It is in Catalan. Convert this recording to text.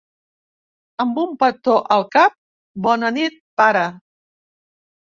Amb un petó al cap, bona nit pare.